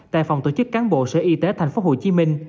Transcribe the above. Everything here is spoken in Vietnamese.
tại phòng tổ chức cán bộ sở y tế tp hcm